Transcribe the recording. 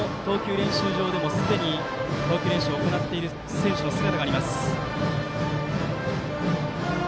練習場でもすでに投球練習を行っている選手の姿があります。